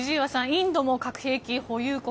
インドも核兵器保有国。